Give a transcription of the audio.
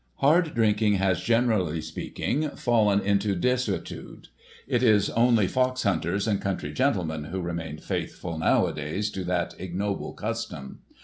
Hard . drinking has, generally speaking, fallen into desuetude. It is ^ only foxhunters and country gentlemen who remain faithful, nowadays, to that ignoble custom.